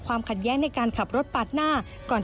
เขาก็จะต่อยผมก่อนครับผมก็เลยต่อยเขาก่อน